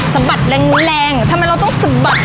สะบัดแรงแรงทำไมเราต้องสะบัด